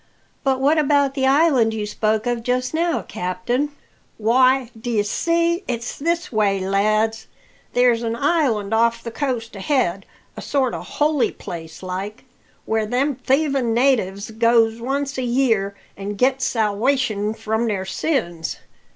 "But what about the island you spoke of just now, captain?" "Why, d'ye see, it's this way, lads; there's an island off the coast ahead, a sort o' holy place like, where them thievin' natives goes once a year an' gets salwation from their sins.